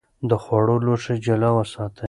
د خوړو لوښي جلا وساتئ.